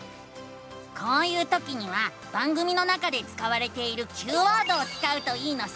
こういうときには番組の中で使われているＱワードを使うといいのさ！